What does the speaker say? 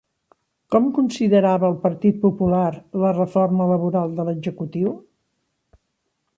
Com considerava el Partit Popular la Reforma laboral de l'executiu?